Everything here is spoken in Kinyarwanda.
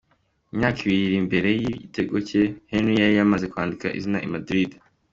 Imyaka ibiri mbere y'igitego cye, Henry yari yamaze kwandika izina i Madrid.